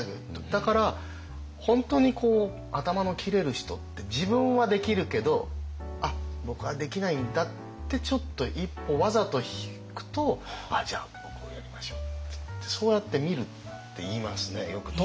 だから本当に頭の切れる人って自分はできるけどあっ僕はできないんだってちょっと一歩わざと引くとあっじゃあ僕がやりましょうっていってそうやって見るって言いますねよく。